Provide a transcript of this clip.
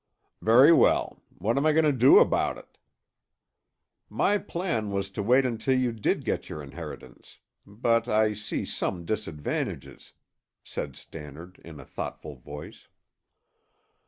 "Very well! What am I going to do about it?" "My plan was to wait until you did get your inheritance; but I see some disadvantages," said Stannard in a thoughtful voice.